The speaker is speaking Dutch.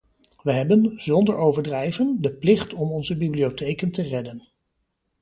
Wij hebben, zonder overdrijven, de plicht om onze bibliotheken te redden.